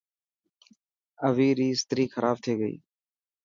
اوي ري استري کراب ٿي گئي.